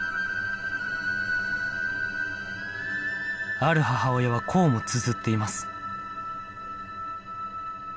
ある母親はこうもつづっています